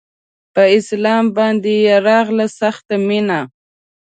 په اسلام باندې يې راغله سخته مينه